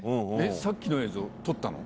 さっきの映像、撮ったの？